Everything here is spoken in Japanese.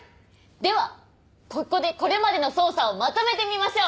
ではここでこれまでの捜査をまとめてみましょう！